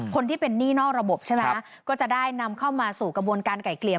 คนที่เป็นหนี้นอกระบบใช่ไหมก็จะได้นำเข้ามาสู่กระบวนการไกลเกลี่ย